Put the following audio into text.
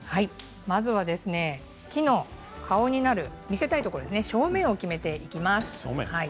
まずは木の香りがある木の顔になる見せたいところ正面を決めていきます。